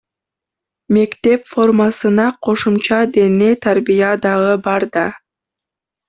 Мектеп формасына кошумча дене тарбия дагы бар да.